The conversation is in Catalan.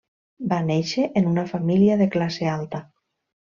Va néixer en una família de classe alta.